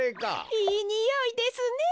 いいにおいですね。